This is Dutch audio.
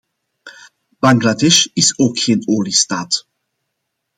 Bangladesh is ook geen oliestaat.